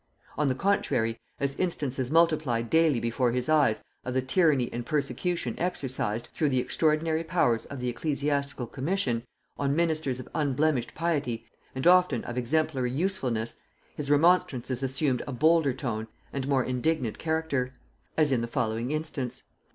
On the contrary, as instances multiplied daily before his eyes of the tyranny and persecution exercised, through the extraordinary powers of the ecclesiastical commission, on ministers of unblemished piety and often of exemplary usefulness, his remonstrances assumed a bolder tone and more indignant character: as in the following instance.